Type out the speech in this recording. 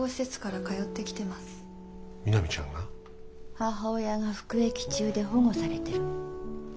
母親が服役中で保護されてる。